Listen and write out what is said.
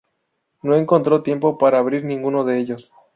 No encontró tiempo para abrir ninguno de ellos.